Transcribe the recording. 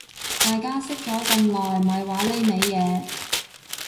大家識咗咁耐咪玩呢味嘢